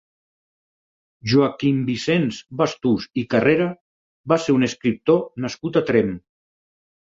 Joaquim Vicenç Bastús i Carrera va ser un escriptor nascut a Tremp.